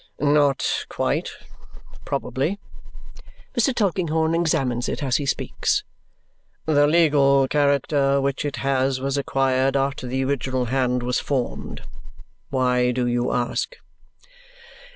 "Not quite. Probably" Mr. Tulkinghorn examines it as he speaks "the legal character which it has was acquired after the original hand was formed. Why do you ask?"